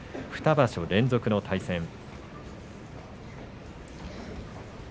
２場所連続の対戦。